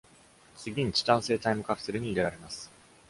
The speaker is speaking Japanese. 次に、チタン製タイムカプセルに入れられます。